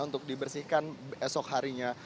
untuk dibersihkan esok harinya